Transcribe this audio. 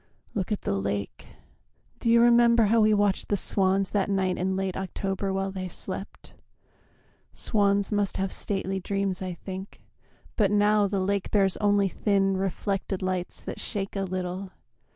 ... Look at the lake Do you remember how we watched the swans That night in late October while they slept? Swans must have stately dreams, I think. But now The lake bears only thin reflected lights That shake a little.